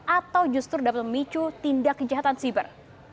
atau justru dapat memicu tindak kejahatan siber